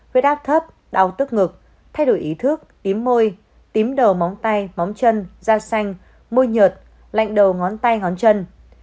vết áp thấp đau tức ngực thay đổi ý thức tím môi tím đầu móng tay móng chân da xanh môi nhợt lạnh đầu ngón tay ngón chân